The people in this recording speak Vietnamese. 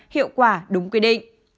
hiệu quả đúng quy định